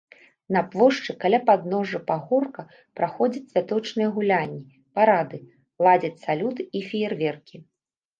На плошчы каля падножжа пагорка праходзяць святочныя гулянні, парады, ладзяцца салюты і феерверкі.